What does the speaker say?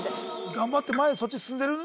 頑張って前へそっち進んでる？